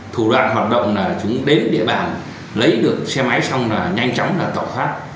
thủ đoàn hoạt động là chúng đến địa bàn lấy được xe máy xong là nhanh chóng tỏa phát